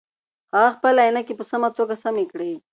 هغه خپلې عینکې په سمه توګه سمې کړې.